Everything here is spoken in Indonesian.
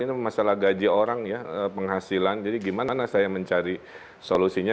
ini masalah gaji orang ya penghasilan jadi gimana saya mencari solusinya